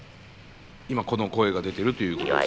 今この声が出てるということですか。